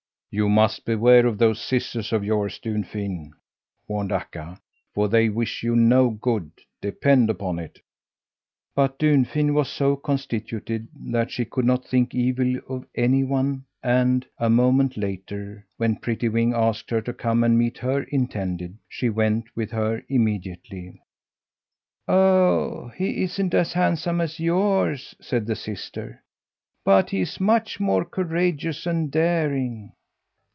"You must beware of those sisters of yours, Dunfin!" warned Akka, "for they wish you no good, depend upon it!" But Dunfin was so constituted that she could not think evil of any one and, a moment later, when Prettywing asked her to come and meet her intended, she went with her immediately. "Oh, he isn't as handsome as yours," said the sister, "but he's much more courageous and daring!"